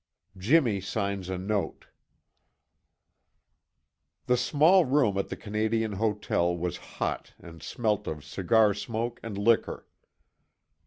I JIMMY SIGNS A NOTE The small room at the Canadian hotel was hot and smelt of cigar smoke and liquor.